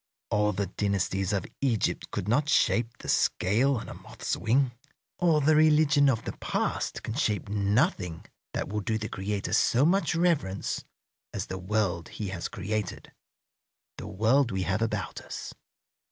All the dynasties of Egypt could not shape the scale on a moth's wing. All the religion of the past can shape nothing that will do the Creator so much reverence as the world He has created, the world we have about us.